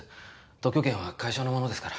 特許権は会社のものですから。